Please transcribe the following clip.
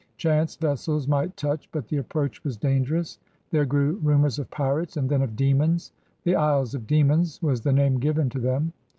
'' Chance vessels might touch, but the approach was dangerous. There grew rumors of pirates, and then of demons. The Isles of Demons," was the name given to them.